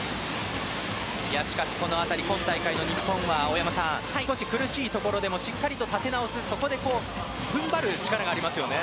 しかしこの辺り、今大会の日本は大山さん、少し苦しいところでもしっかり立て直すそこで踏ん張る力がありますよね。